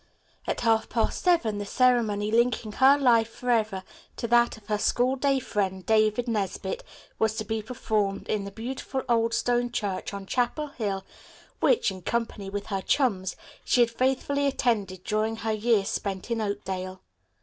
At half past seven the ceremony linking her life forever to that of her school day friend, David Nesbit, was to be performed in the beautiful old stone church on Chapel Hill which, in company with her chums, she had faithfully attended during her years spent in Oakdale.